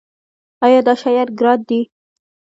ایا دا شیان ګران دي؟